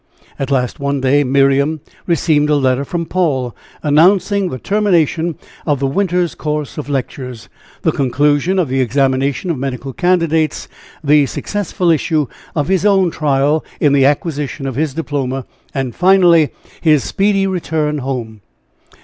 At last, one day, Miriam received a letter from Paul, announcing the termination, of the winter's course of lectures, the conclusion of the examination of medical candidates, the successful issue of his own trial, in the acquisition of his diploma, and finally his speedy return home.